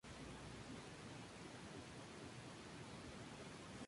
Esto derivó en un conflicto constitucional, durante el cual el rey consideró la abdicación.